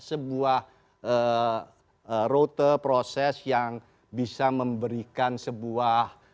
sebuah rute proses yang bisa memberikan sebuah